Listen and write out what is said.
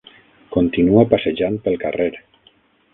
Continua passejant pel carrer.